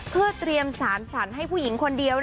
เพื่อเตรียมสารฝันให้ผู้หญิงคนเดียว